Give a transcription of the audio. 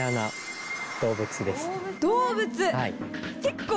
動物！